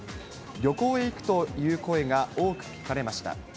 旅行へ行くという声が多く聞かれました。